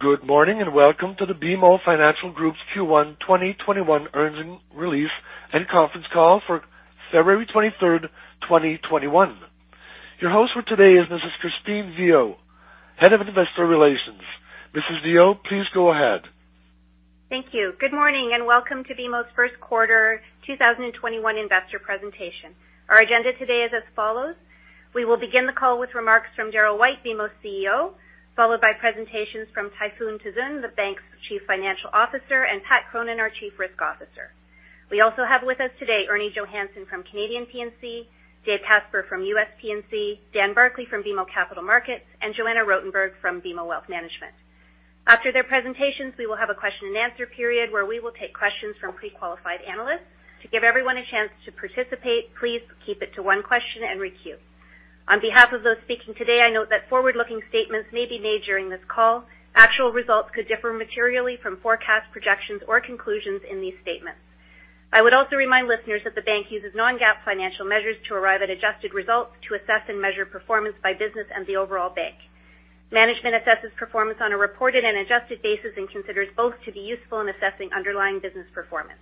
Good morning, and welcome to the BMO Financial Group's Q1 2021 Earnings Release and Conference Call for February 23rd, 2021. Your host for today is Mrs. Christine Viau, Head of Investor Relations. Mrs. Viau, please go ahead. Thank you. Good morning, and welcome to BMO's First Quarter 2021 Investor Presentation. Our agenda today is as follows: We will begin the call with remarks from Darryl White, BMO's Chief Executive Officer, followed by presentations from Tayfun Tuzun, the bank's Chief Financial Officer, and Patrick Cronin, our Chief Risk Officer. We also have with us today Erminia Johannson from Canadian P&C, David Casper from U.S. P&C, Dan Barclay from BMO Capital Markets, and Joanna Rotenberg from BMO Wealth Management. After their presentations, we will have a question and answer period where we will take questions from pre-qualified analysts. To give everyone a chance to participate, please keep it to one question and re-queue. On behalf of those speaking today, I note that forward-looking statements may be made during this call. Actual results could differ materially from forecast projections or conclusions in these statements. I would also remind listeners that the bank uses non-GAAP financial measures to arrive at adjusted results to assess and measure performance by business and the overall bank. Management assesses performance on a reported and adjusted basis and considers both to be useful in assessing underlying business performance.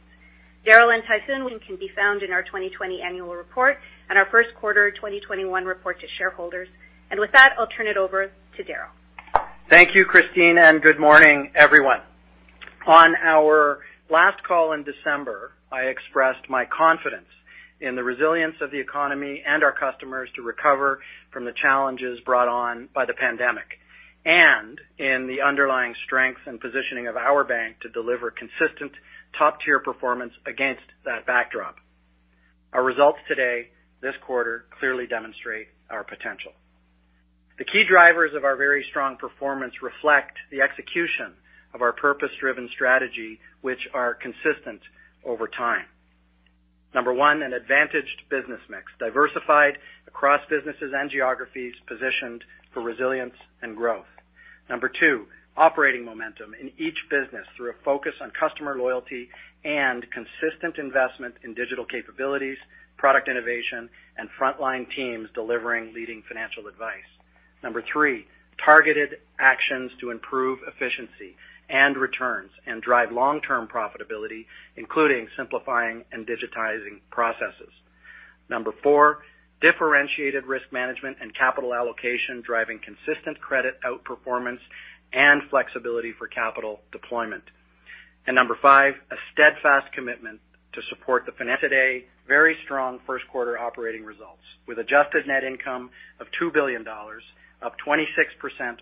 Darryl and Tayfun can be found in our 2020 annual report and our first quarter 2021 report to shareholders. With that, I'll turn it over to Darryl. Thank you, Christine. Good morning, everyone. On our last call in December, I expressed my confidence in the resilience of the economy and our customers to recover from the challenges brought on by the pandemic, and in the underlying strength and positioning of our bank to deliver consistent top-tier performance against that backdrop. Our results today, this quarter, clearly demonstrate our potential. The key drivers of our very strong performance reflect the execution of our purpose-driven strategy, which are consistent over time. Number one, an advantaged business mix, diversified across businesses and geographies, positioned for resilience and growth. Number two, operating momentum in each business through a focus on customer loyalty and consistent investment in digital capabilities, product innovation, and frontline teams delivering leading financial advice. Number three, targeted actions to improve efficiency and returns and drive long-term profitability, including simplifying and digitizing processes. Number four, differentiated risk management and capital allocation, driving consistent credit outperformance and flexibility for capital deployment. Number five, a steadfast commitment to support the today, very strong 1st quarter operating results, with adjusted net income of 2 billion dollars, up 26%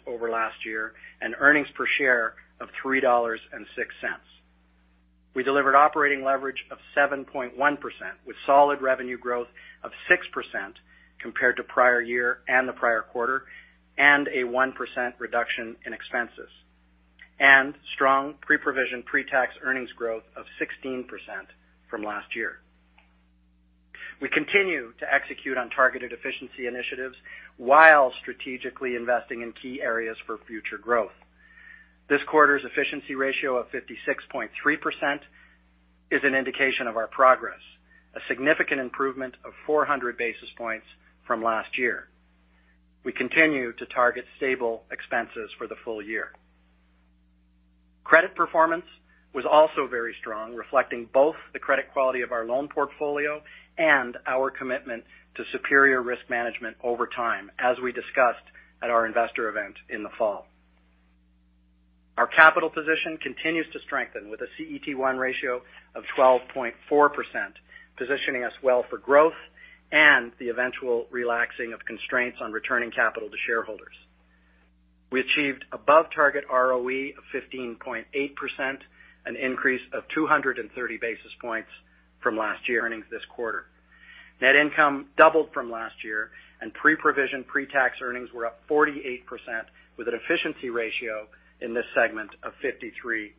over last year, and earnings per share of 3.06 dollars. We delivered operating leverage of 7.1%, with solid revenue growth of 6% compared to prior year and the prior quarter, and a 1% reduction in expenses, and strong pre-provision, pre-tax earnings growth of 16% from last year. We continue to execute on targeted efficiency initiatives while strategically investing in key areas for future growth. This quarter's efficiency ratio of 56.3% is an indication of our progress, a significant improvement of 400 basis points from last year. We continue to target stable expenses for the full year. Credit performance was also very strong, reflecting both the credit quality of our loan portfolio and our commitment to superior risk management over time, as we discussed at our investor event in the fall. Our capital position continues to strengthen, with a CET1 ratio of 12.4%, positioning us well for growth and the eventual relaxing of constraints on returning capital to shareholders. We achieved above target ROE of 15.8%, an increase of 230 basis points from last year earnings this quarter. Net income doubled from last year. Pre-provision, pre-tax earnings were up 48%, with an efficiency ratio in this segment of 53.5%.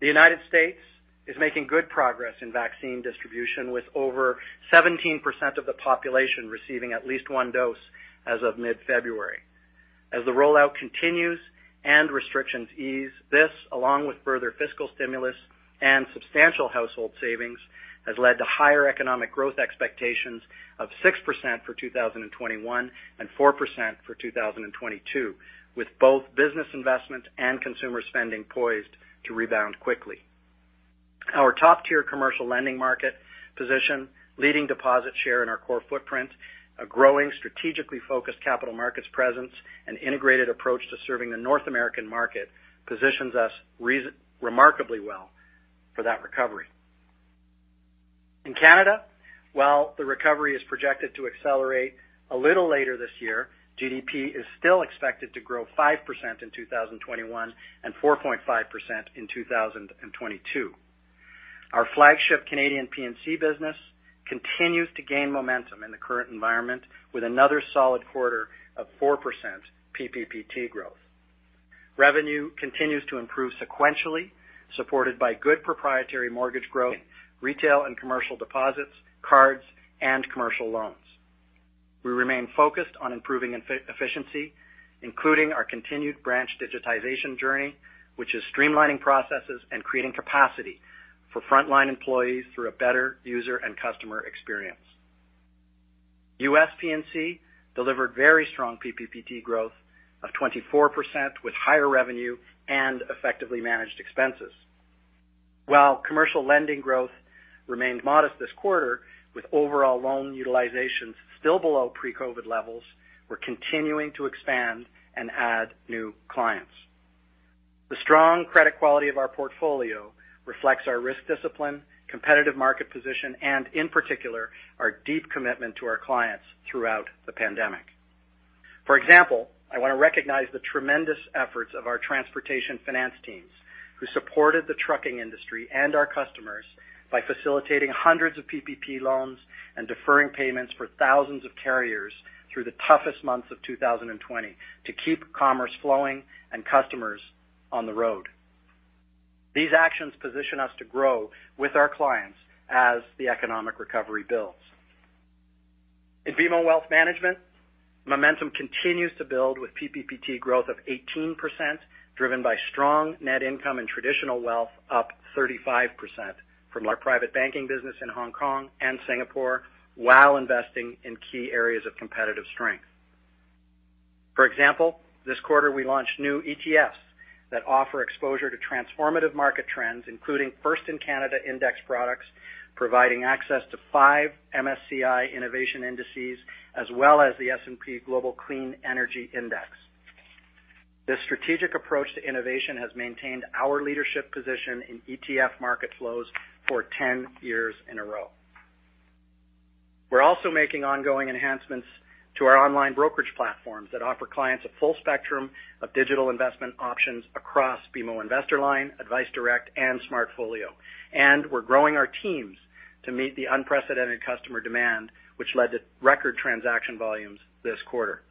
The United States is making good progress in vaccine distribution, with over 17% of the population receiving at least one dose as of mid-February. As the rollout continues and restrictions ease, this, along with further fiscal stimulus and substantial household savings, has led to higher economic growth expectations of 6% for 2021 and 4% for 2022, with both business investment and consumer spending poised to rebound quickly. Our top-tier commercial lending market position, leading deposit share in our core footprint, a growing, strategically focused capital markets presence, and integrated approach to serving the North American market positions us remarkably well for that recovery. In Canada, while the recovery is projected to accelerate a little later this year, GDP is still expected to grow 5% in 2021 and 4.5% in 2022. Our flagship Canadian P&C business continues to gain momentum in the current environment, with another solid quarter of 4% PPPT growth. Revenue continues to improve sequentially, supported by good proprietary mortgage growth, retail and commercial deposits, cards, and commercial loans. We remain focused on improving efficiency, including our continued branch digitization journey, which is streamlining processes and creating capacity for frontline employees through a better user and customer experience. U.S. P&C delivered very strong PPPT growth of 24%, with higher revenue and effectively managed expenses. While commercial lending growth remained modest this quarter, with overall loan utilization still below pre-COVID levels, we're continuing to expand and add new clients. The strong credit quality of our portfolio reflects our risk discipline, competitive market position, and in particular, our deep commitment to our clients throughout the pandemic. For example, I want to recognize the tremendous efforts of our transportation finance teams, who supported the trucking industry and our customers by facilitating hundreds of PPP loans and deferring payments for thousands of carriers through the toughest months of 2020 to keep commerce flowing and customers on the road. These actions position us to grow with our clients as the economic recovery builds. In BMO Wealth Management, momentum continues to build, with PPP growth of 18%, driven by strong net income and traditional wealth up 35% from our private banking business in Hong Kong and Singapore, while investing in key areas of competitive strength. For example, this quarter, we launched new ETFs that offer exposure to transformative market trends, including first-in-Canada index products, providing access to five MSCI innovation indices, as well as the S&P Global Clean Energy Index. This strategic approach to innovation has maintained our leadership position in ETF market flows for 10 years in a row. We're also making ongoing enhancements to our online brokerage platforms that offer clients a full spectrum of digital investment options across BMO InvestorLine, adviceDirect, and SmartFolio. We're growing our teams to meet the unprecedented customer demand, which led to record transaction volumes this quarter.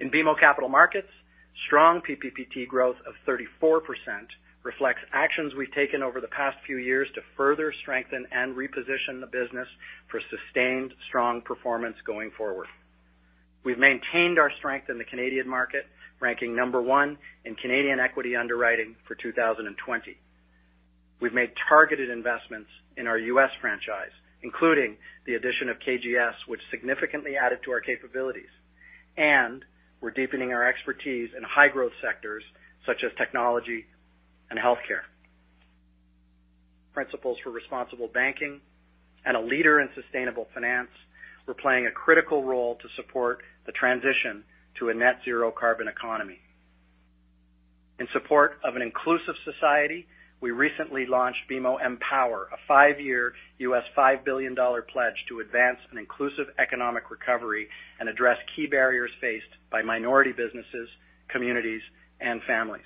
In BMO Capital Markets, strong PPP growth of 34% reflects actions we've taken over the past few years to further strengthen and reposition the business for sustained strong performance going forward. We've maintained our strength in the Canadian market, ranking number one in Canadian equity underwriting for 2020. We've made targeted investments in our U.S. franchise, including the addition of KGS, which significantly added to our capabilities, and we're deepening our expertise in high-growth sectors such as technology and healthcare. Principles for Responsible Banking and a leader in sustainable finance, we're playing a critical role to support the transition to a net zero carbon economy. In support of an inclusive society, we recently launched BMO EMpower, a five-year, $5 billion pledge to advance an inclusive economic recovery and address key barriers faced by minority businesses, communities, and families.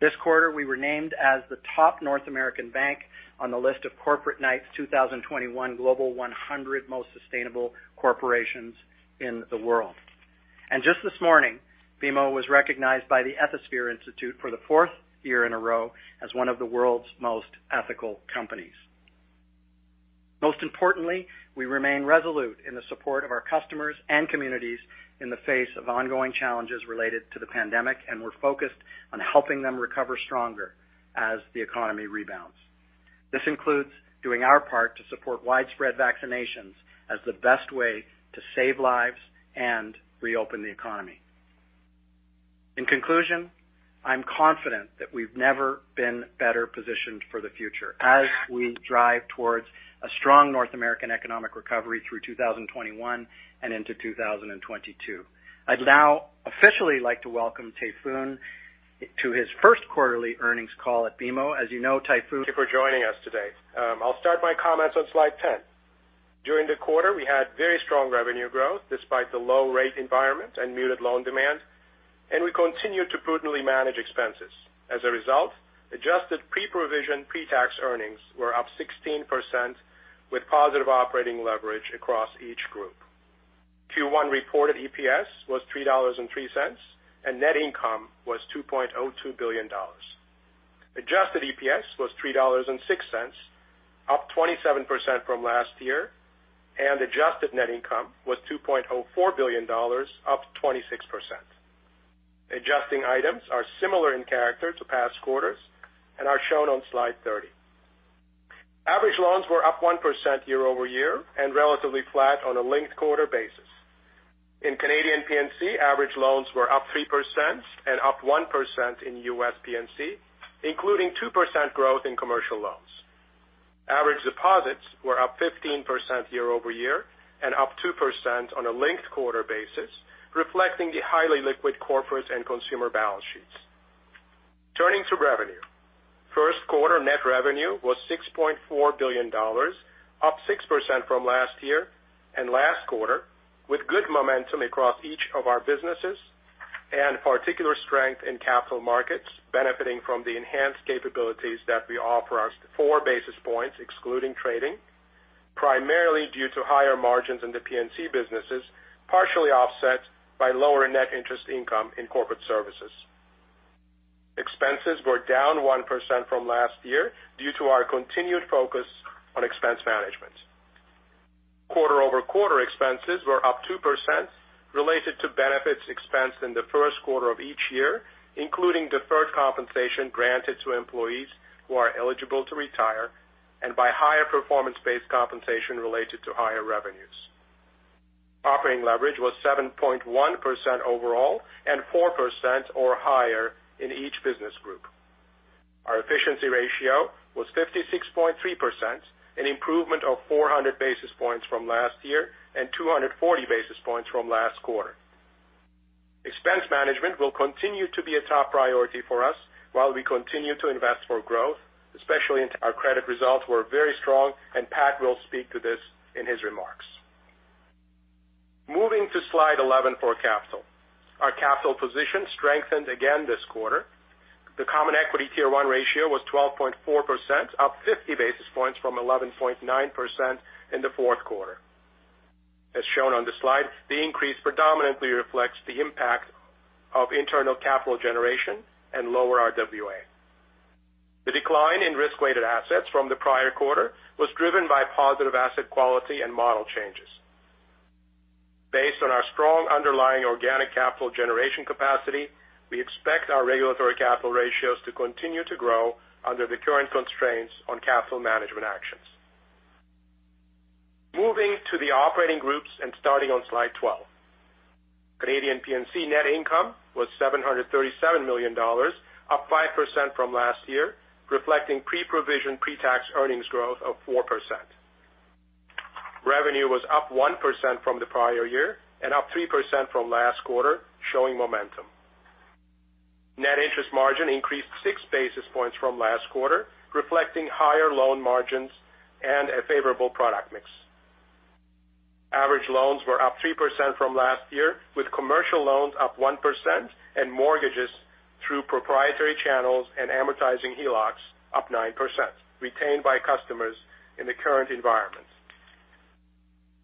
This quarter, we were named as the top North American bank on the list of Corporate Knights 2021 Global 100 Most Sustainable Corporations in the World. Just this morning, BMO was recognized by the Ethisphere Institute for the 4th year in a row as one of the world's most ethical companies. Most importantly, we remain resolute in the support of our customers and communities in the face of ongoing challenges related to the pandemic. We're focused on helping them recover stronger as the economy rebounds. This includes doing our part to support widespread vaccinations as the best way to save lives and reopen the economy. In conclusion, I'm confident that we've never been better positioned for the future as we drive towards a strong North American economic recovery through 2021 and into 2022. I'd now officially like to welcome Tayfun to his first quarterly earnings call at BMO. As you know, Tayfun. Thank you for joining us today. I'll start my comments on slide 10. During the quarter, we had very strong revenue growth despite the low rate environment and muted loan demand, and we continued to prudently manage expenses. As a result, adjusted pre-provision, pre-tax earnings were up 16%, with positive operating leverage across each group. Q1 reported EPS was $3.03, and net income was $2.02 billion. Adjusted EPS was $3.06, up 27% from last year, and adjusted net income was $2.04 billion, up 26%. Adjusting items are similar in character to past quarters and are shown on slide 30. Average loans were up 1% year-over-year and relatively flat on a linked quarter basis. In Canadian P&C, average loans were up 3% and up 1% in U.S. P&C, including 2% growth in commercial loans. Average deposits were up 15% year-over-year and up 2% on a linked quarter basis, reflecting the highly liquid corporates and consumer balance sheets. Turning to revenue. First quarter net revenue was 6.4 billion dollars, up 6% from last year and last quarter, with good momentum across each of our businesses and particular strength in Capital Markets, benefiting from the enhanced capabilities that we offer our 4 basis points, excluding trading, primarily due to higher margins in the P&C businesses, partially offset by lower net interest income in corporate services. Expenses were down 1% from last year due to our continued focus on expense management. Quarter-over-quarter expenses were up 2% related to benefits expense in the first quarter of each year, including deferred compensation granted to employees who are eligible to retire, and by higher performance-based compensation related to higher revenues. Operating leverage was 7.1% overall and 4% or higher in each business group. Our efficiency ratio was 56.3%, an improvement of 400 basis points from last year and 240 basis points from last quarter. Expense management will continue to be a top priority for us while we continue to invest for growth, especially our credit results were very strong, and Pat will speak to this in his remarks. Moving to slide 11 for capital. Our capital position strengthened again this quarter. The Common Equity Tier 1 ratio was 12.4%, up 50 basis points from 11.9% in the fourth quarter. As shown on the slide, the increase predominantly reflects the impact of internal capital generation and lower RWA. The decline in risk-weighted assets from the prior quarter was driven by positive asset quality and model changes. Based on our strong underlying organic capital generation capacity, we expect our regulatory capital ratios to continue to grow under the current constraints on capital management actions. Moving to the operating groups and starting on slide 12. Canadian P&C net income was 737 million dollars, up 5% from last year, reflecting pre-provision, pre-tax earnings growth of 4%. Revenue was up 1% from the prior year and up 3% from last quarter, showing momentum. Net interest margin increased six basis points from last quarter, reflecting higher loan margins and a favorable product mix. Average loans were up 3% from last year, with commercial loans up 1% and mortgages through proprietary channels and amortizing HELOCs up 9%, retained by customers in the current environment.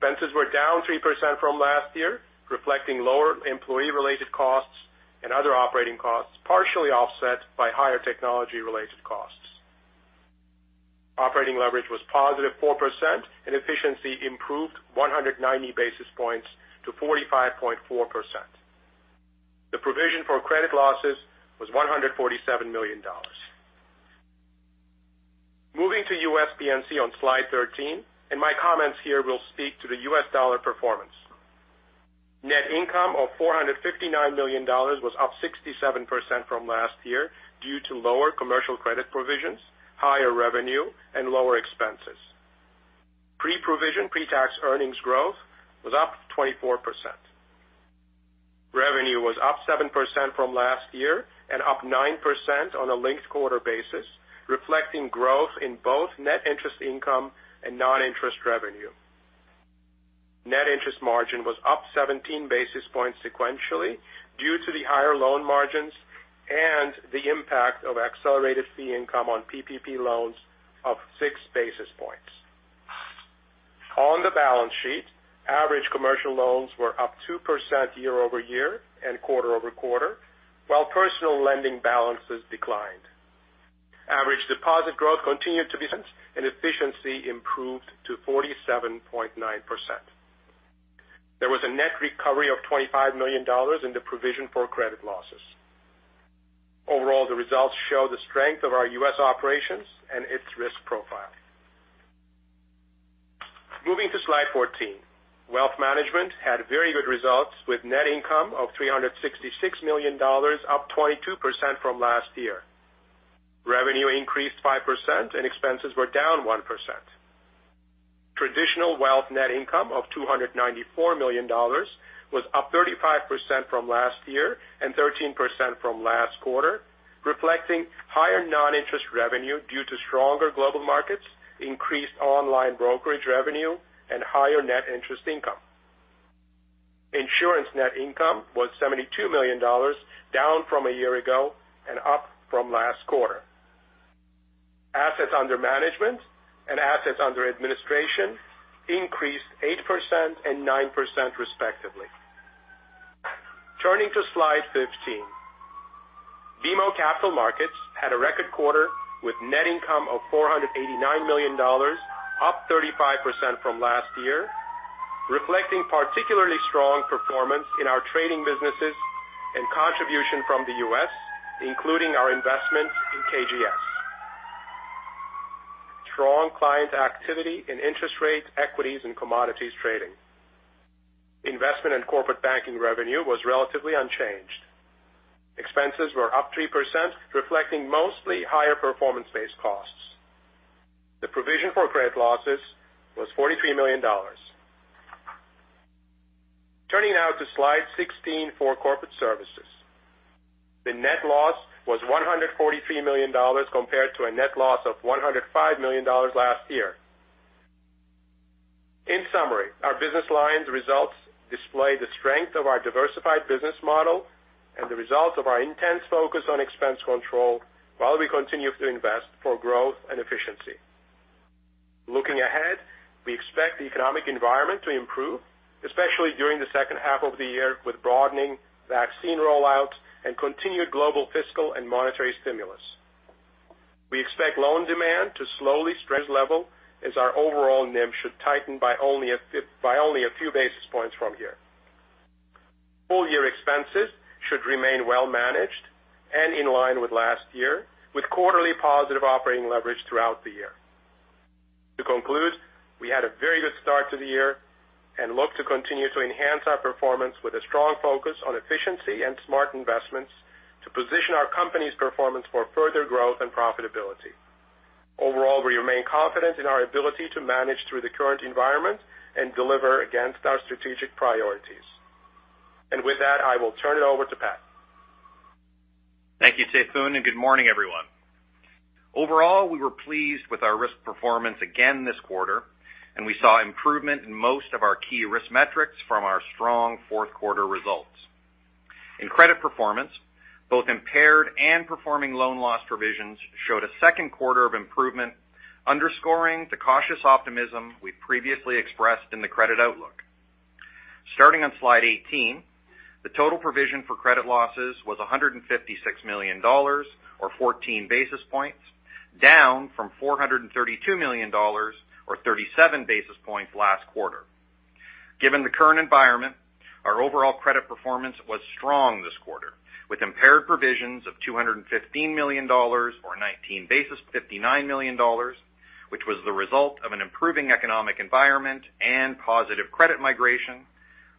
Expenses were down 3% from last year, reflecting lower employee-related costs and other operating costs, partially offset by higher technology-related costs. Operating leverage was positive 4%, and efficiency improved 190 basis points to 45.4%. The provision for credit losses was 147 million dollars. Moving to U.S. P&C on slide 13, my comments here will speak to the U.S. dollar performance. Net income of 459 million dollars was up 67% from last year due to lower commercial credit provisions, higher revenue and lower expenses. Pre-provision, pre-tax earnings growth was up 24%. Revenue was up 7% from last year and up 9% on a linked quarter basis, reflecting growth in both net interest income and non-interest revenue. Net interest margin was up 17 basis points sequentially due to the higher loan margins and the impact of accelerated fee income on PPP loans of 6 basis points. On the balance sheet, average commercial loans were up 2% year-over-year and quarter-over-quarter, while personal lending balances declined. Average deposit growth continued to be and efficiency improved to 47.9%. There was a net recovery of 25 million dollars in the provision for credit losses. Overall, the results show the strength of our U.S. operations and its risk profile. Moving to slide 14. BMO Wealth Management had very good results, with net income of 366 million dollars, up 22% from last year. Revenue increased 5% and expenses were down 1%. Traditional wealth net income of 294 million dollars was up 35% from last year and 13% from last quarter, reflecting higher non-interest revenue due to stronger global markets, increased online brokerage revenue and higher net interest income. Insurance net income was 72 million dollars, down from a year ago and up from last quarter. Assets under management and assets under administration increased 8% and 9%, respectively. Turning to slide 15. BMO Capital Markets had a record quarter with net income of 489 million dollars, up 35% from last year, reflecting particularly strong performance in our trading businesses and contribution from the U.S., including our investment in KGS. Strong client activity in interest rates, equities and commodities trading. Investment and corporate banking revenue was relatively unchanged. Expenses were up 3%, reflecting mostly higher performance-based costs. The provision for credit losses was 43 million dollars. Turning now to slide 16 for corporate services. The net loss was 143 million dollars compared to a net loss of 105 million dollars last year. In summary, our business lines results display the strength of our diversified business model and the results of our intense focus on expense control while we continue to invest for growth and efficiency. Looking ahead, we expect the economic environment to improve, especially during the second half of the year, with broadening vaccine rollout and continued global fiscal and monetary stimulus. We expect loan demand to slowly stress level as our overall NIM should tighten by only a few basis points from here. Full year expenses should remain well managed and in line with last year, with quarterly positive operating leverage throughout the year. To conclude, we had a very good start to the year and look to continue to enhance our performance with a strong focus on efficiency and smart investments to position our company's performance for further growth and profitability. Overall, we remain confident in our ability to manage through the current environment and deliver against our strategic priorities. With that, I will turn it over to Pat. Thank you, Tuzun. Good morning, everyone. Overall, we were pleased with our risk performance again this quarter. We saw improvement in most of our key risk metrics from our strong fourth quarter results. In credit performance, both impaired and performing loan loss provisions showed a second quarter of improvement, underscoring the cautious optimism we previously expressed in the credit outlook. Starting on slide 18, the total provision for credit losses was 156 million dollars or 14 basis points, down from 432 million dollars or 37 basis points last quarter. Given the current environment, our overall credit performance was strong this quarter, with impaired provisions of 215 million dollars, 59 million dollars, which was the result of an improving economic environment and positive credit migration,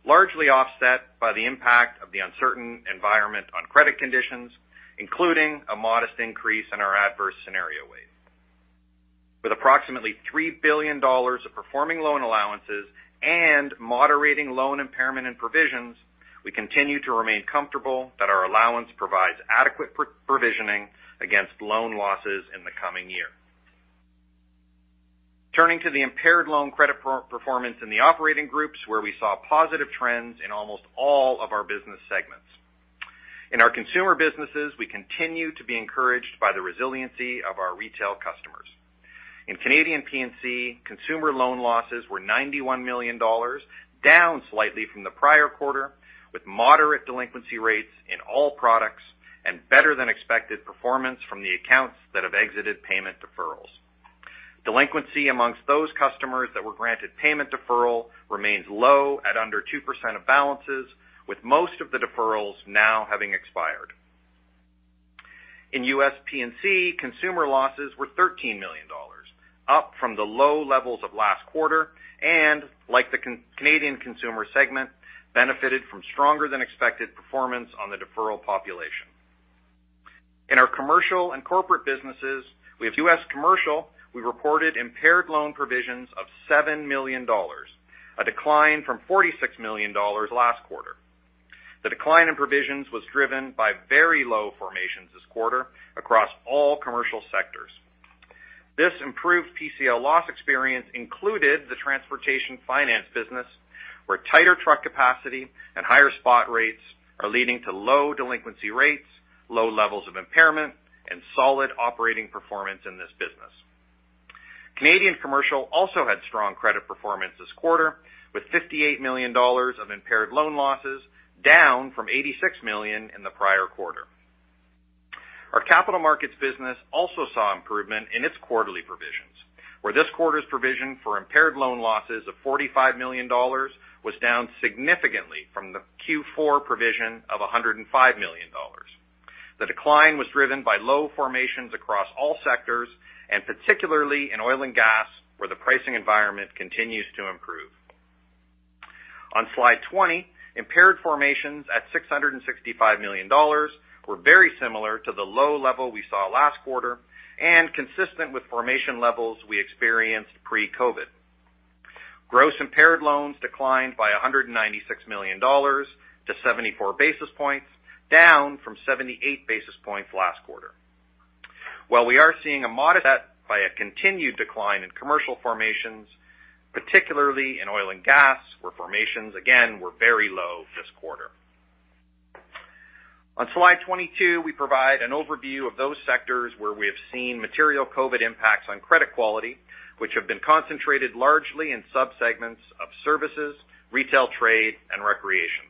largely offset by the impact of the uncertain environment on credit conditions, including a modest increase in our adverse scenario wave. With approximately 3 billion dollars of performing loan allowances and moderating loan impairment and provisions, we continue to remain comfortable that our allowance provides adequate provisioning against loan losses in the coming year. Turning to the impaired loan credit performance in the operating groups, where we saw positive trends in almost all of our business segments. In our consumer businesses, we continue to be encouraged by the resiliency of our retail customers. In Canadian P&C, consumer loan losses were 91 million dollars, down slightly from the prior quarter, with moderate delinquency rates in all products and better than expected performance from the accounts that have exited payment deferrals. Delinquency amongst those customers that were granted payment deferral remains low at under 2% of balances, with most of the deferrals now having expired. In U.S. P&C, consumer losses were $13 million, up from the low levels of last quarter, and like the Canadian consumer segment, benefited from stronger than expected performance on the deferral population. In our commercial and corporate businesses, we have U.S. Commercial, we reported impaired loan provisions of $7 million, a decline from $46 million last quarter. The decline in provisions was driven by very low formations this quarter across all commercial sectors. This improved PCL loss experience included the transportation finance business, where tighter truck capacity and higher spot rates are leading to low delinquency rates, low levels of impairment, and solid operating performance in this business. Canadian Commercial also had strong credit performance this quarter, with $58 million of impaired loan losses, down from $86 million in the prior quarter. Our Capital Markets business also saw improvement in its quarterly provisions, where this quarter's provision for impaired loan losses of $45 million was down significantly from the Q4 provision of $105 million. The decline was driven by low formations across all sectors, particularly in oil and gas, where the pricing environment continues to improve. On slide 20, impaired formations at 665 million dollars were very similar to the low level we saw last quarter and consistent with formation levels we experienced pre-COVID. Gross impaired loans declined by 196 million dollars to 74 basis points, down from 78 basis points last quarter. While we are seeing a modest set by a continued decline in commercial formations, particularly in oil and gas, where formations again were very low this quarter. On slide 22, we provide an overview of those sectors where we have seen material COVID impacts on credit quality, which have been concentrated largely in subsegments of services, retail trade, and recreation.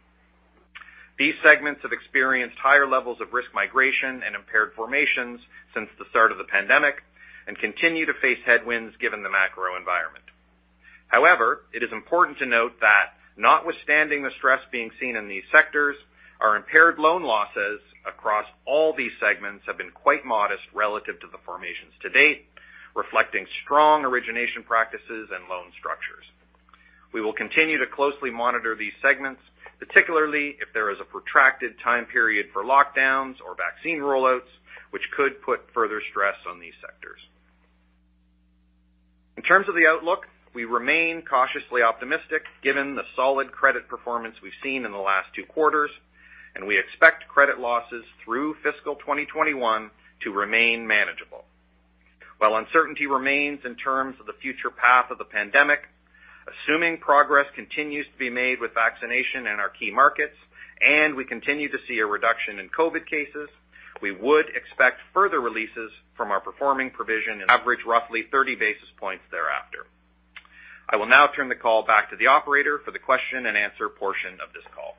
These segments have experienced higher levels of risk migration and impaired formations since the start of the pandemic, and continue to face headwinds given the macro environment. It is important to note that notwithstanding the stress being seen in these sectors, our impaired loan losses across all these segments have been quite modest relative to the formations to date, reflecting strong origination practices and loan structures. We will continue to closely monitor these segments, particularly if there is a protracted time period for lockdowns or vaccine rollouts, which could put further stress on these sectors. In terms of the outlook, we remain cautiously optimistic given the solid credit performance we've seen in the last two quarters, and we expect credit losses through fiscal 2021 to remain manageable. While uncertainty remains in terms of the future path of the pandemic, assuming progress continues to be made with vaccination in our key markets, and we continue to see a reduction in COVID cases, we would expect further releases from our performing provision and average roughly 30 basis points thereafter. I will now turn the call back to the operator for the question and answer portion of this call.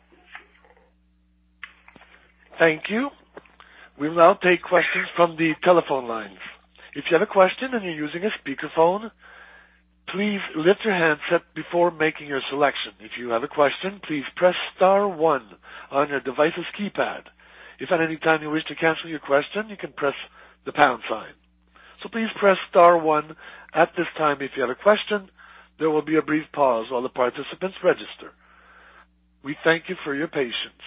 Thank you. We'll now take questions from the telephone lines. If you have a question and you're using a speakerphone, please lift your handset before making your selection. If you have a question, please press star one on your device's keypad. If at any time you wish to cancel your question, you can press the pound sign. Please press star one at this time if you have a question. There will be a brief pause while the participants register. We thank you for your patience.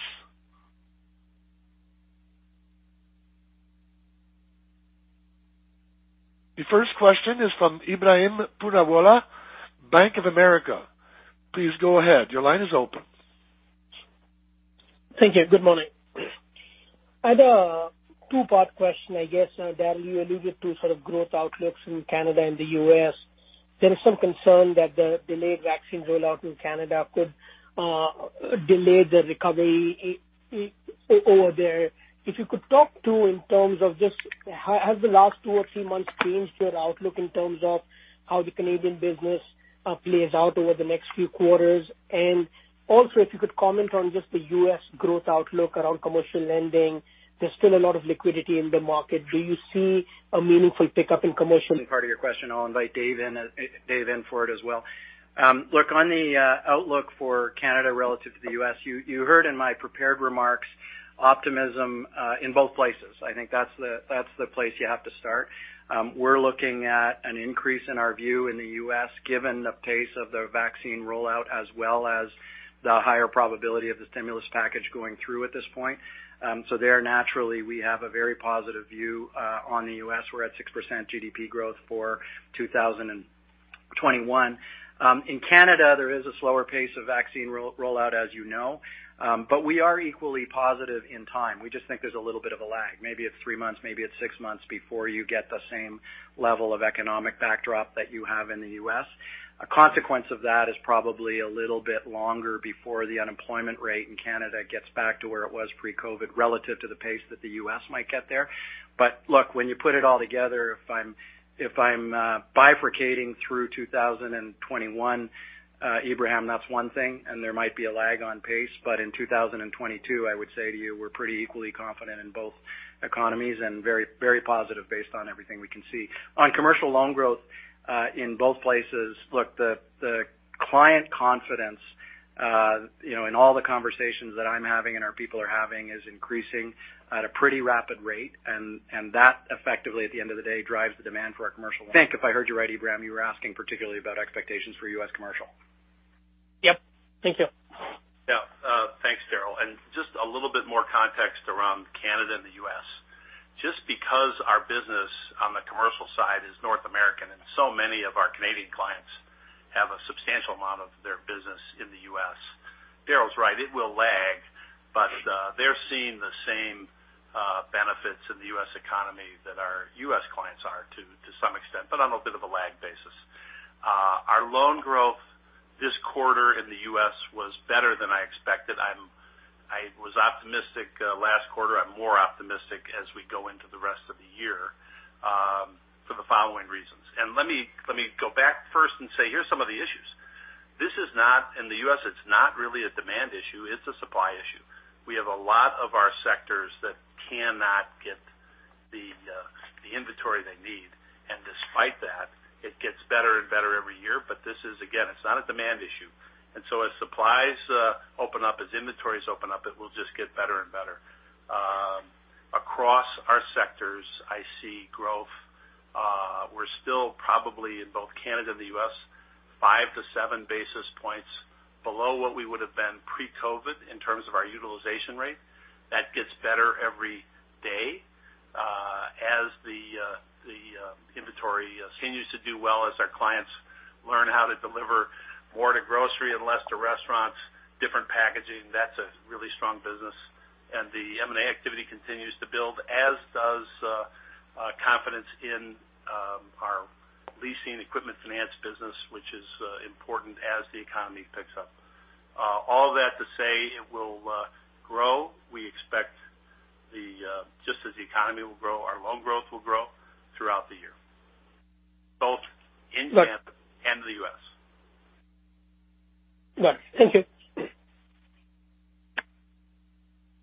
The first question is from Ebrahim Poonawala, Bank of America. Please go ahead. Your line is open. Thank you. Good morning. I had a two-part question, I guess, Darryl, you alluded to sort of growth outlooks in Canada and the U.S. There is some concern that the delayed vaccine rollout in Canada could delay the recovery over there. If you could talk to in terms of just has the last two or three months changed your outlook in terms of how the Canadian business plays out over the next few quarters? Also, if you could comment on just the U.S. growth outlook around commercial lending. There's still a lot of liquidity in the market. Do you see a meaningful pickup in commercial? Part of your question, I'll invite Dave in for it as well. Look, on the outlook for Canada relative to the U.S., you heard in my prepared remarks, optimism in both places. I think that's the place you have to start. We're looking at an increase in our view in the U.S., given the pace of the vaccine rollout, as well as the higher probability of the stimulus package going through at this point. Naturally, we have a very positive view on the U.S. We're at 6% GDP growth for 2021. In Canada, there is a slower pace of vaccine rollout, as you know, but we are equally positive in time. We just think there's a little bit of a lag. Maybe it's three months, maybe it's six months before you get the same level of economic backdrop that you have in the U.S. A consequence of that is probably a little bit longer before the unemployment rate in Canada gets back to where it was pre-COVID, relative to the pace that the U.S. might get there. Look, when you put it all together, if I'm bifurcating through 2021, Abraham, that's one thing, and there might be a lag on pace, but in 2022, I would say to you, we're pretty equally confident in both economies and very, very positive based on everything we can see. On commercial loan growth, in both places, look, the client confidence, you know, in all the conversations that I'm having and our people are having, is increasing at a pretty rapid rate, and that effectively, at the end of the day, drives the demand for our commercial. Thank you. If I heard you right, Abraham, you were asking particularly about expectations for U.S. commercial. Yep. Thank you. Yeah. Thanks, Darryl. Just a little bit more context around Canada and the U.S. Just because our business on the commercial side is North American, and so many of our Canadian clients have a substantial amount of their business in the U.S., Darryl's right, it will lag, but they're seeing the same benefits in the U.S. economy that our U.S. clients are to some extent, but on a bit of a lag basis. Our loan growth this quarter in the U.S. was better than I expected. I was optimistic last quarter. I'm more optimistic as we go into the rest of the year for the following reasons. Let me go back first and say, here's some of the issues. This is not. In the U.S., it's not really a demand issue, it's a supply issue. We have a lot of our sectors that cannot get the inventory they need, and despite that, it gets better and better every year, but this is, again, it's not a demand issue. As supplies open up, as inventories open up, it will just get better and better. Across our sectors, I see growth. We're still probably in both Canada and the U.S., 5 to 7 basis points below what we would have been pre-COVID in terms of our utilization rate. That gets better every day, as the inventory continues to do well as our clients learn how to deliver more to grocery and less to restaurants, different packaging, that's a really strong business. The M&A activity continues to build, as does confidence in our leasing equipment finance business, which is important as the economy picks up. All that to say it will grow. We expect the just as the economy will grow, our loan growth will grow throughout the year, both in Canada and the U.S. Right. Thank you.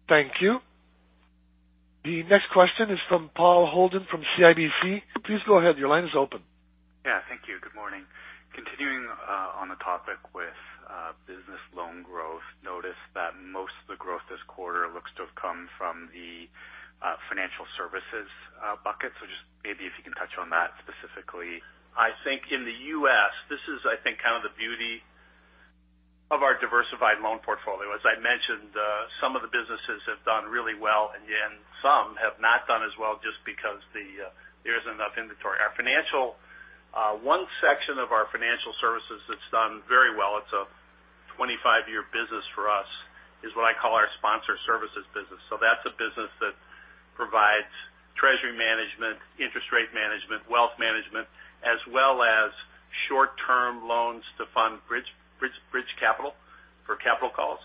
Thank you. The next question is from Paul Holden, from CIBC. Please go ahead, your line is open. Yeah, thank you. Good morning. Continuing on the topic with business loan growth, notice that most of the growth this quarter looks to have come from the financial services bucket. Just maybe if you can touch on that specifically. I think in the U.S., this is, I think, kind of the beauty of our diversified loan portfolio. As I mentioned, some of the businesses have done really well, and again, some have not done as well just because the there isn't enough inventory. Our financial, one section of our financial services that's done very well, it's a 25-year business for us, is what I call our sponsor services business. That's a business that provides treasury management, interest rate management, wealth management, as well as short-term loans to fund bridge capital for capital calls.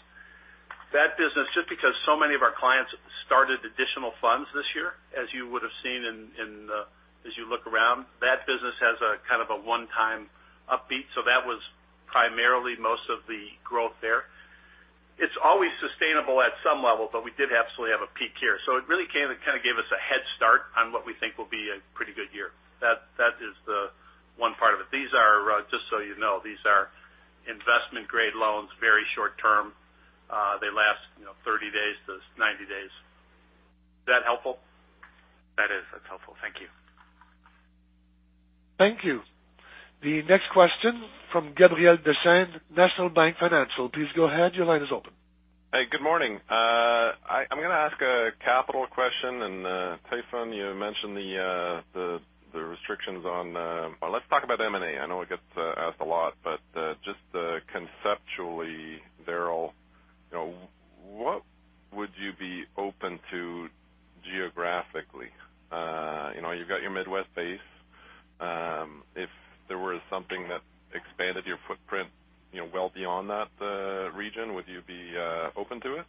That business, just because so many of our clients started additional funds this year, as you would have seen in the, as you look around, that business has a kind of a one-time upbeat. That was primarily most of the growth there. It's always sustainable at some level. We did absolutely have a peak here. It really came and kind of gave us a head start on what we think will be a pretty good year. That is the one part of it. These are, just so you know, these are investment grade loans, very short term. They last, you know, 30 days to 90 days. Is that helpful? That is. That's helpful. Thank you. Thank you. The next question from Gabriel Dechaine, National Bank Financial. Please go ahead. Your line is open. Hey, good morning. I'm going to ask a capital question. Tayfun, you mentioned the restrictions on... Well, let's talk about M&A. I know it gets asked a lot. Just conceptually, Darryl, you know, what would you be open to geographically? You know, you've got your Midwest base. If there was something that expanded your footprint, you know, well beyond that region, would you be open to it?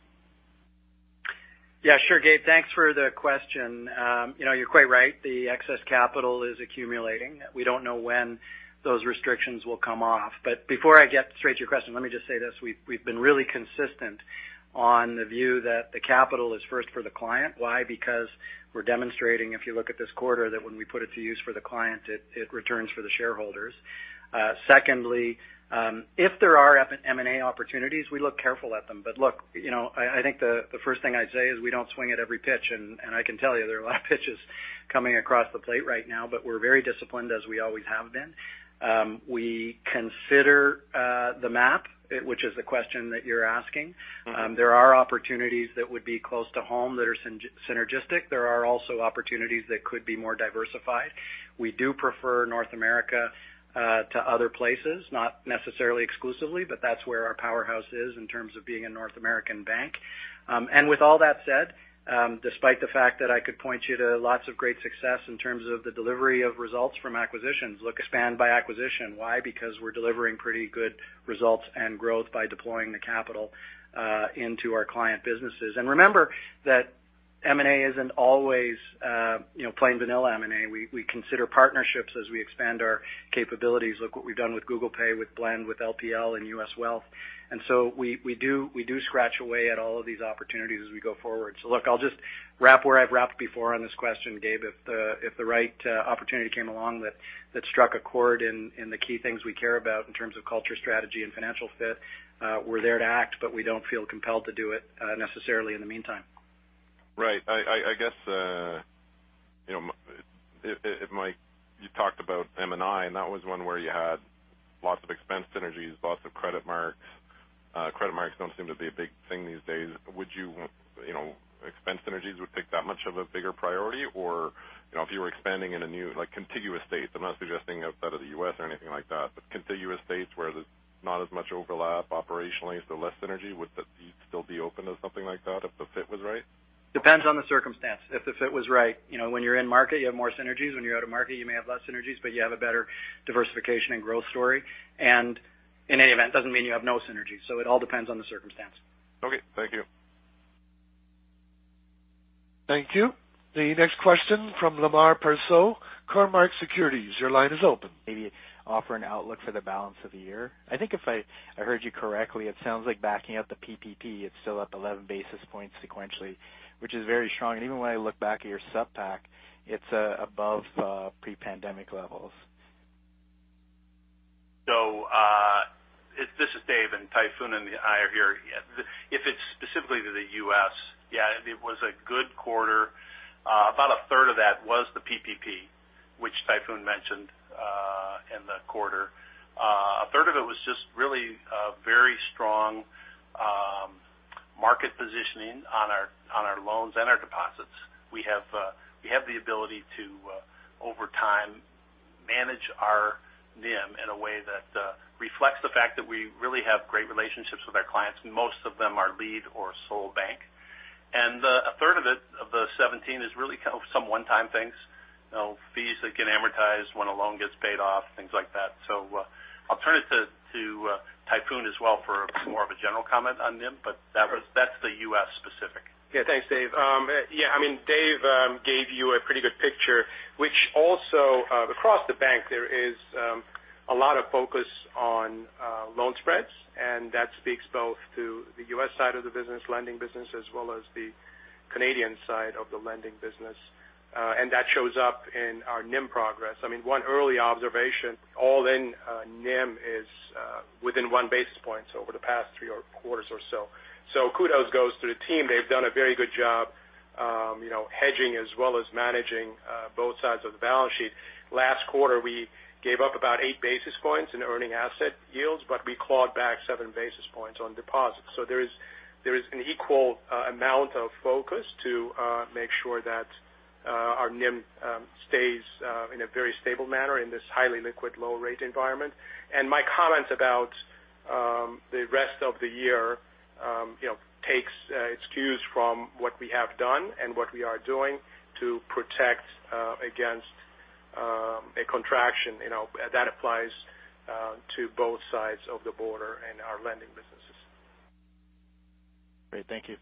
Yeah, sure, Gabe, thanks for the question. You know, you're quite right. The excess capital is accumulating. We don't know when those restrictions will come off. Before I get straight to your question, let me just say this, we've been really consistent on the view that the capital is first for the client. Why? Because we're demonstrating, if you look at this quarter, that when we put it to use for the client, it returns for the shareholders. Secondly, if there are M&A opportunities, we look careful at them. Look, you know, I think the first thing I'd say is we don't swing at every pitch, and I can tell you there are a lot of pitches coming across the plate right now, but we're very disciplined, as we always have been. We consider the map, which is the question that you're asking. Mm-hmm. There are opportunities that would be close to home that are synergistic. There are also opportunities that could be more diversified. We do prefer North America to other places, not necessarily exclusively, but that's where our powerhouse is in terms of being a North American bank. With all that said, despite the fact that I could point you to lots of great success in terms of the delivery of results from acquisitions, look, expand by acquisition. Why? Because we're delivering pretty good results and growth by deploying the capital into our client businesses. And remember that M&A isn't always, you know, plain vanilla M&A. We, we consider partnerships as we expand our capabilities. Look what we've done with Google Pay, with Blend, with LPL and U.S. Wealth. We do scratch away at all of these opportunities as we go forward. Look, I'll just wrap where I've wrapped before on this question, Gabe. If the right opportunity came along that struck a chord in the key things we care about in terms of culture, strategy, and financial fit, we're there to act, but we don't feel compelled to do it necessarily in the meantime. Right. I guess, you know. You talked about M&I, and that was one where you had lots of expense synergies, lots of credit marks. Credit marks don't seem to be a big thing these days. Would you know, expense synergies would take that much of a bigger priority, or, you know, if you were expanding in a new, like, contiguous states, I'm not suggesting outside of the U.S. or anything like that, but contiguous states where there's not as much overlap operationally, so less synergy, would you still be open to something like that if the fit was right? Depends on the circumstance. If the fit was right, you know, when you're in market, you have more synergies. When you're out of market, you may have less synergies, but you have a better diversification and growth story. In any event, doesn't mean you have no synergies, so it all depends on the circumstance. Okay. Thank you. Thank you. The next question from Lemar Persaud, Cormark Securities. Your line is open. Maybe offer an outlook for the balance of the year. I think if I heard you correctly, it sounds like backing up the PPP, it's still up 11 basis points sequentially, which is very strong. Even when I look back at your sub pack, it's above pre-pandemic levels. This is Dave, and Tayfun and I are here. If it's specifically to the U.S., yeah, it was a good quarter. About a third of that was the PPP, which Tayfun mentioned in the quarter. A third of it was just really very strong market positioning on our loans and our deposits. We have the ability to over time manage our NIM in a way that reflects the fact that we really have great relationships with our clients, most of them are lead or sole bank. A third of it, of the 17, is really kind of some one-time things, you know, fees that get amortized when a loan gets paid off, things like that. I'll turn it to Tayfun as well for more of a general comment on NIM, but that's the U.S. specific. Yeah, thanks, Dave. I mean, Dave, gave you a pretty good picture, which also, across the bank, there is a lot of focus on loan spreads, and that speaks both to the U.S. side of the business, lending business, as well as the Canadian side of the lending business. That shows up in our NIM progress. I mean, one early observation, all in, NIM is within one basis point over the past three or quarters or so. Kudos goes to the team. They've done a very good job, you know, hedging as well as managing both sides of the balance sheet. Last quarter, we gave up about eight basis points in earning asset yields, we clawed back seven basis points on deposits. There is an equal amount of focus to make sure that our NIM stays in a very stable manner in this highly liquid, low rate environment. My comment about the rest of the year, you know, takes its cues from what we have done and what we are doing to protect against a contraction, you know, that applies to both sides of the border and our lending businesses. Great. Thank you.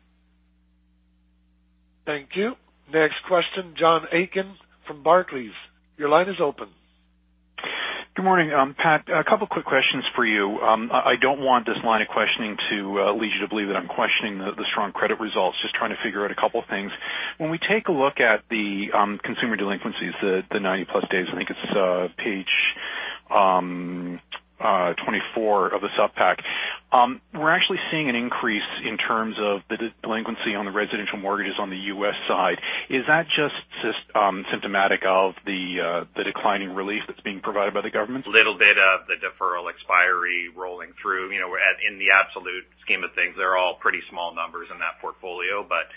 Thank you. Next question, John Aiken from Barclays. Your line is open. Good morning, Pat, a couple quick questions for you. I don't want this line of questioning to lead you to believe that I'm questioning the strong credit results. Just trying to figure out a couple of things. When we take a look at the consumer delinquencies, the 90-plus days, I think it's page 24 of the sup pack. We're actually seeing an increase in terms of the delinquency on the residential mortgages on the U.S. side. Is that just symptomatic of the declining relief that's being provided by the government? Little bit of the deferral expiry rolling through. You know, we're at, in the absolute scheme of things, they're all pretty small numbers in that portfolio, but,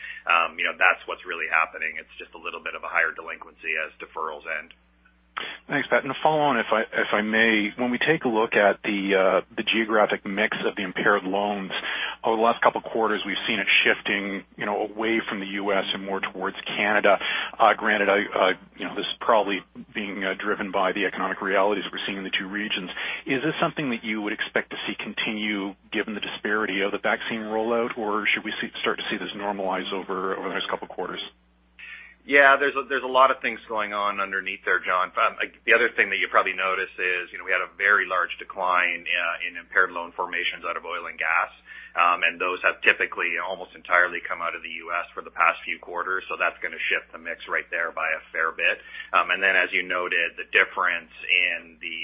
you know, that's what's really happening. It's just a little bit of a higher delinquency as deferrals end. Thanks, Pat. To follow on, if I may, when we take a look at the geographic mix of the impaired loans over the last couple of quarters, we've seen it shifting, you know, away from the US and more towards Canada. Granted, I, you know, this is probably being driven by the economic realities we're seeing in the two regions. Is this something that you would expect to see continue, given the disparity of the vaccine rollout, or should we start to see this normalize over the next couple of quarters? Yeah, there's a lot of things going on underneath there, John. The other thing that you probably noticed is, you know, we had a very large decline in impaired loan formations out of oil and gas. Those have typically, almost entirely come out of the U.S. for the past few quarters, so that's going to shift the mix right there by a fair bit. Then, as you noted, the difference in the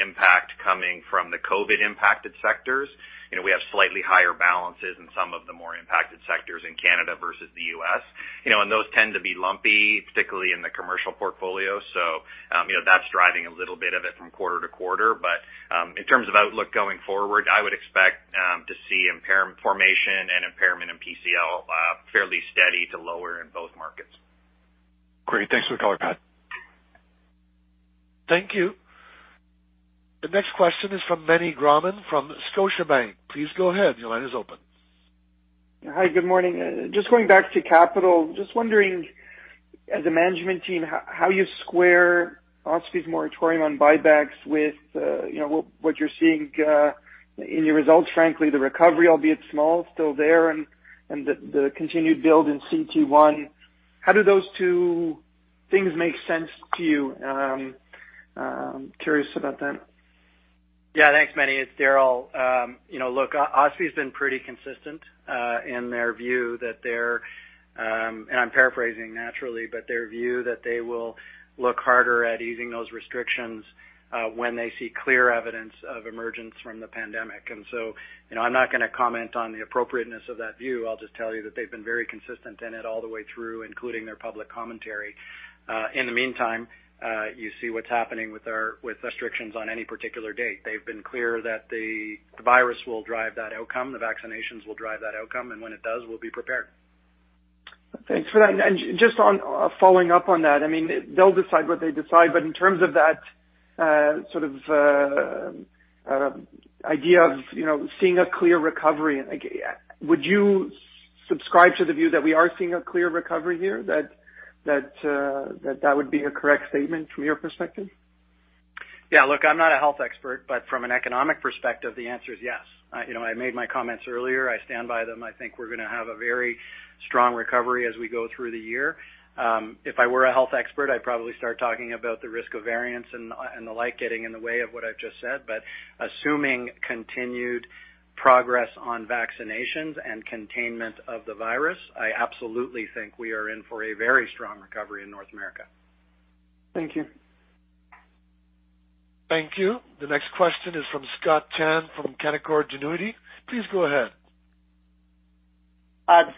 impact coming from the COVID impacted sectors, you know, we have slightly higher balances in some of the more impacted sectors in Canada versus the U.S. You know, and those tend to be lumpy, particularly in the commercial portfolio. You know, that's driving a little bit of it from quarter to quarter. In terms of outlook going forward, I would expect to see impairment formation and impairment in PCL, fairly steady to lower in both markets. Great. Thanks for the color, Pat. Thank you. The next question is from Meny Grauman, from Scotiabank. Please go ahead. Your line is open. Hi, good morning. Just going back to capital, just wondering, as a management team, how you square OSFI's moratorium on buybacks with, you know, what you're seeing in your results, frankly, the recovery, albeit small, still there, and the continued build in CET1. How do those two things make sense to you? Curious about that. Yeah, thanks, Meny. It's Darryl. You know, look, OSFI's been pretty consistent, in their view that they're, and I'm paraphrasing naturally, but their view that they will look harder at easing those restrictions, when they see clear evidence of emergence from the pandemic. You know, I'm not going to comment on the appropriateness of that view. I'll just tell you that they've been very consistent in it all the way through, including their public commentary. In the meantime, you see what's happening with restrictions on any particular date. They've been clear that the virus will drive that outcome, the vaccinations will drive that outcome, when it does, we'll be prepared. Thanks for that. Just on, following up on that, I mean, they'll decide what they decide, but in terms of that, sort of, idea of, you know, seeing a clear recovery, like, would you subscribe to the view that we are seeing a clear recovery here? That would be a correct statement from your perspective? Yeah, look, I'm not a health expert. From an economic perspective, the answer is yes. You know, I made my comments earlier. I stand by them. I think we're going to have a very strong recovery as we go through the year. If I were a health expert, I'd probably start talking about the risk of variance and the like, getting in the way of what I've just said. Assuming continued progress on vaccinations and containment of the virus, I absolutely think we are in for a very strong recovery in North America. Thank you. Thank you. The next question is from Scott Chan, from Canaccord Genuity. Please go ahead.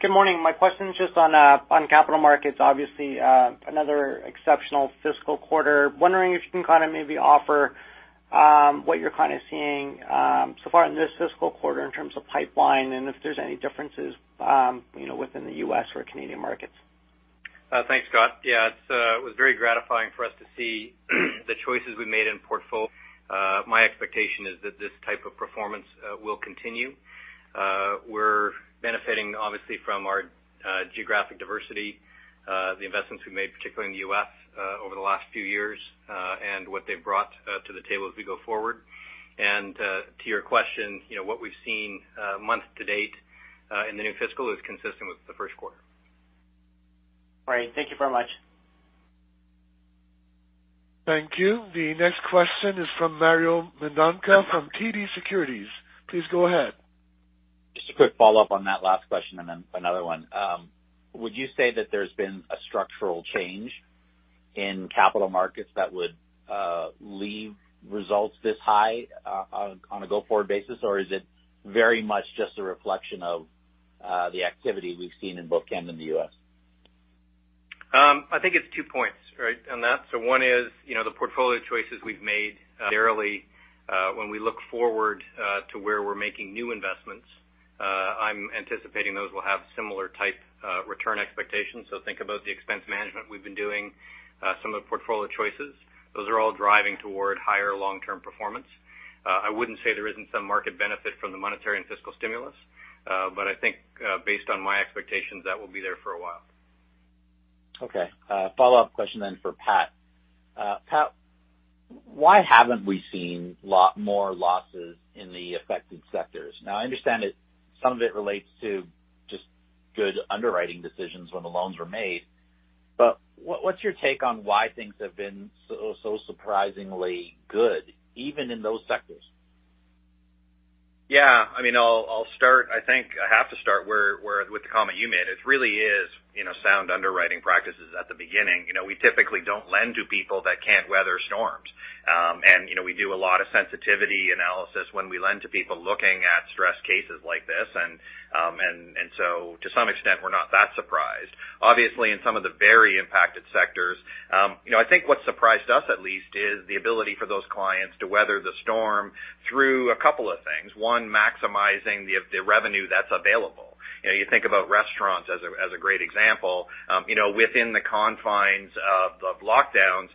Good morning. My question is just on capital markets, obviously, another exceptional fiscal quarter. Wondering if you can kind of maybe offer what you're kind of seeing so far in this fiscal quarter in terms of pipeline, and if there's any differences, you know, within the U.S. or Canadian markets? Thanks, Scott. Yeah, it's, it was very gratifying for us to see the choices we made in portfolio. My expectation is that this type of performance will continue. We're benefiting obviously from our geographic diversity, the investments we made, particularly in the U.S. over the last few years, and what they've brought to the table as we go forward. To your question, you know, what we've seen month to date in the new fiscal is consistent with the first quarter. All right. Thank you very much. Thank you. The next question is from Mario Mendonca, from TD Securities. Please go ahead. Just a quick follow-up on that last question and then another one. Would you say that there's been a structural change in capital markets that would leave results this high on a go-forward basis, or is it very much just a reflection of the activity we've seen in both Canada and the U.S.? I think it's 2 points, right, on that. One is, you know, the portfolio choices we've made, narrowly. When we look forward, to where we're making new investments, I'm anticipating those will have similar type, return expectations. Think about the expense management we've been doing, some of the portfolio choices. Those are all driving toward higher long-term performance. I wouldn't say there isn't some market benefit from the monetary and fiscal stimulus. I think, based on my expectations, that will be there for a while. Follow-up question then for Pat. Pat, why haven't we seen more losses in the affected sectors? I understand that some of it relates to just good underwriting decisions when the loans were made, but what's your take on why things have been so surprisingly good, even in those sectors? I mean, I'll start. I think I have to start where, with the comment you made. It really is, you know, sound underwriting practices at the beginning. You know, we typically don't lend to people that can't weather storms. You know, we do a lot of sensitivity analysis when we lend to people looking at stress cases like this. To some extent, we're not that surprised. Obviously, in some of the very impacted sectors, you know, I think what surprised us at least, is the ability for those clients to weather the storm through a couple of things. One, maximizing the revenue that's available. You know, you think about restaurants as a, as a great example, you know, within the confines of lockdowns,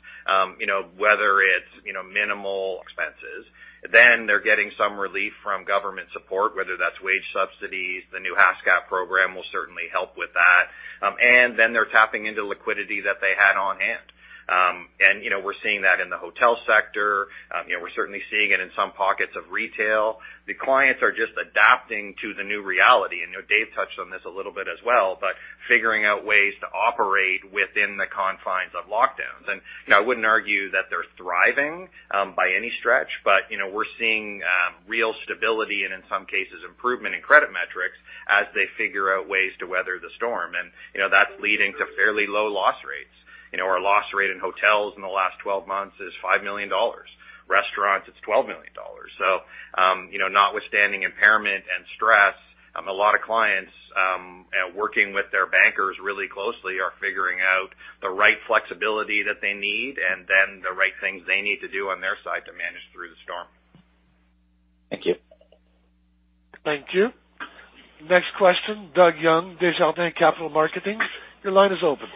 you know, whether it's, you know, minimal expenses, then they're getting some relief from government support, whether that's wage subsidies, the new HSCA program will certainly help with that. Then they're tapping into liquidity that they had on hand. You know, we're seeing that in the hotel sector. You know, we're certainly seeing it in some pockets of retail. The clients are just adapting to the new reality, and, you know, Dave touched on this a little bit as well, but figuring out ways to operate within the confines of lockdowns. You know, I wouldn't argue that they're thriving by any stretch, but, you know, we're seeing real stability and in some cases, improvement in credit metrics as they figure out ways to weather the storm. You know, that's leading to fairly low loss rates. You know, our loss rate in hotels in the last 12 months is 5 million dollars. Restaurants, it's 12 million dollars. You know, notwithstanding impairment and stress, a lot of clients, working with their bankers really closely, are figuring out the right flexibility that they need and then the right things they need to do on their side to manage through the storm. Thank you. Thank you. Next question, Doug Young, Desjardins Capital Markets. Your line is open.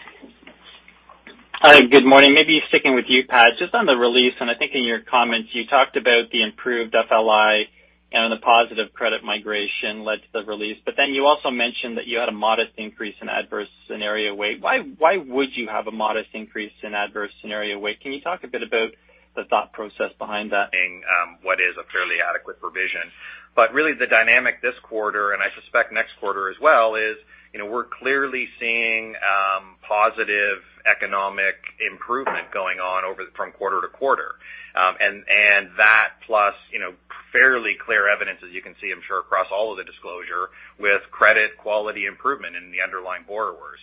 Hi, good morning. Maybe sticking with you, Pat, just on the release, I think in your comments, you talked about the improved FLI and the positive credit migration led to the release. You also mentioned that you had a modest increase in adverse scenario weight. Why would you have a modest increase in adverse scenario weight? Can you talk a bit about the thought process behind that? What is a fairly adequate provision. Really the dynamic this quarter, and I suspect next quarter as well, is, you know, we're clearly seeing positive economic improvement going on over from quarter to quarter. And that plus, you know, fairly clear evidence, as you can see, I'm sure, across all of the disclosure, with credit quality improvement in the underlying borrowers.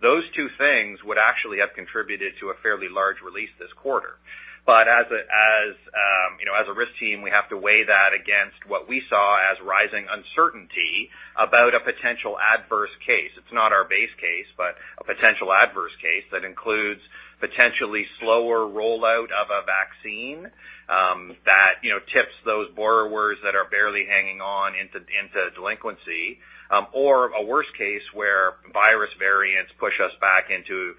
Those two things would actually have contributed to a fairly large release this quarter. As a risk team, we have to weigh that against what we saw as rising uncertainty about a potential adverse case. It's not our base case, but a potential adverse case that includes potentially slower rollout of a vaccine, that, you know, tips those borrowers that are barely hanging on into delinquency, or a worst case where virus variants push us back into,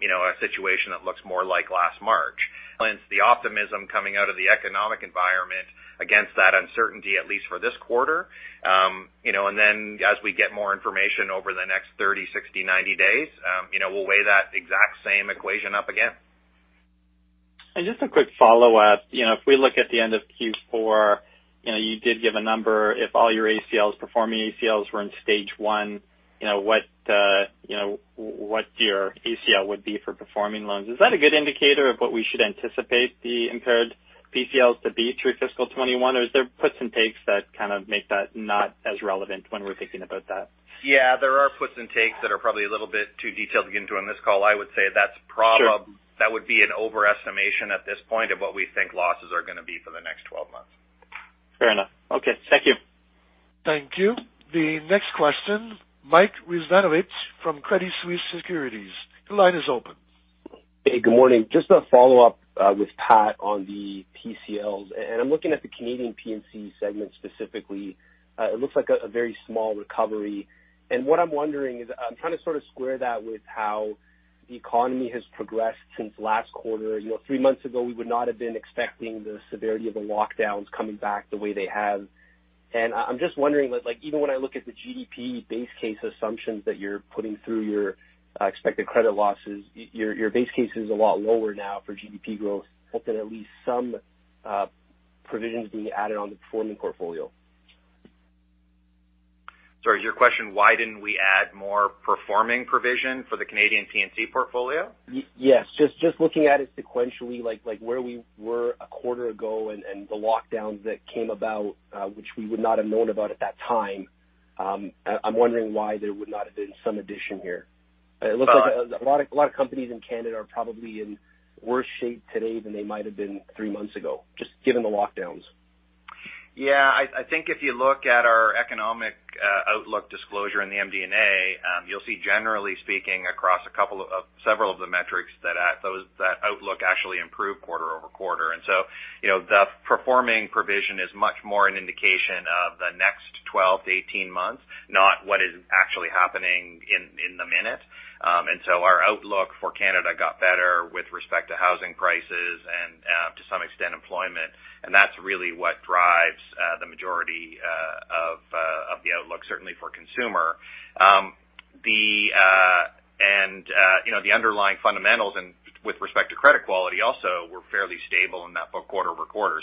you know, a situation that looks more like last March. Hence, the optimism coming out of the economic environment against that uncertainty, at least for this quarter. You know, and then as we get more information over the next 30, 60, 90 days, you know, we'll weigh that exact same equation up again. Just a quick follow-up. You know, if we look at the end of Q4, you know, you did give a number. If all your ACLs, performing ACLs were in Stage 1, you know, what, you know, what your ACL would be for performing loans? Is that a good indicator of what we should anticipate the impaired PCLs to be through fiscal 21, or is there puts and takes that kind of make that not as relevant when we're thinking about that? There are puts and takes that are probably a little bit too detailed to get into on this call. I would say that's probably. Sure. That would be an overestimation at this point of what we think losses are going to be for the next 12 months. Fair enough. Okay. Thank you. Thank you. The next question, Mike Rizvanovic from Credit Suisse Securities. Your line is open. Hey, good morning. Just a follow-up with Pat on the PCLs. I'm looking at the Canadian P&C segment specifically. It looks like a very small recovery. What I'm wondering is, I'm trying to sort of square that with how the economy has progressed since last quarter. You know, three months ago, we would not have been expecting the severity of the lockdowns coming back the way they have. I'm just wondering what, like, even when I look at the GDP base case assumptions that you're putting through your expected credit losses, your base case is a lot lower now for GDP growth, hope that at least some provisions being added on the performing portfolio. Sorry, is your question, why didn't we add more performing provision for the Canadian P&C portfolio? Yes. Just looking at it sequentially, like where we were a quarter ago and the lockdowns that came about, which we would not have known about at that time, I'm wondering why there would not have been some addition here. It looks like a lot of companies in Canada are probably in worse shape today than they might have been three months ago, just given the lockdowns. Yeah, I think if you look at our economic outlook disclosure in the MD&A, you'll see, generally speaking, across a couple of several of the metrics, that outlook actually improved quarter-over-quarter. You know, the performing provision is much more an indication of the next 12 to 18 months, not what is actually happening in the minute. Our outlook for Canada got better with respect to housing prices and to some extent, employment, and that's really what drives the majority of the outlook, certainly for consumer. You know, the underlying fundamentals and with respect to credit quality, also were fairly stable in that book quarter-over-quarter.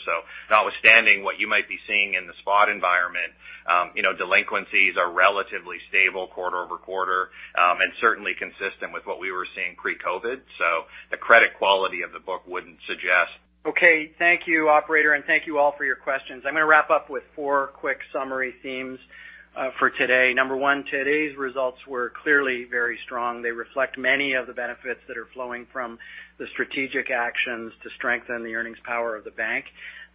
Notwithstanding what you might be seeing in the spot environment, you know, delinquencies are relatively stable quarter-over-quarter, and certainly consistent with what we were seeing pre-COVID. The credit quality of the book wouldn't suggest. Okay. Thank you, operator, and thank you all for your questions. I'm going to wrap up with four quick summary themes for today. Number one, today's results were clearly very strong. They reflect many of the benefits that are flowing from the strategic actions to strengthen the earnings power of the bank.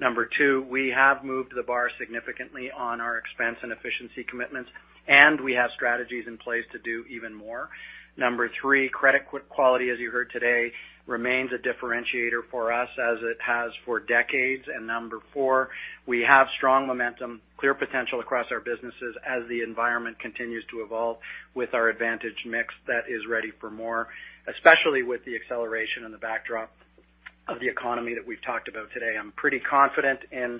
Number two, we have moved the bar significantly on our expense and efficiency commitments, and we have strategies in place to do even more. Number three, credit quality, as you heard today, remains a differentiator for us as it has for decades. Number four, we have strong momentum, clear potential across our businesses as the environment continues to evolve with our advantage mix that is ready for more, especially with the acceleration and the backdrop of the economy that we've talked about today. I'm pretty confident in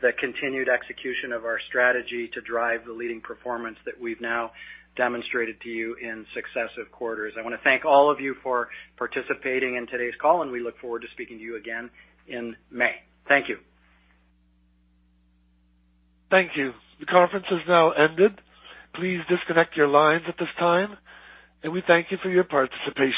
the continued execution of our strategy to drive the leading performance that we've now demonstrated to you in successive quarters. I want to thank all of you for participating in today's call, and we look forward to speaking to you again in May. Thank you. Thank you. The conference has now ended. Please disconnect your lines at this time. We thank you for your participation.